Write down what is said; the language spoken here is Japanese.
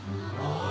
ああ。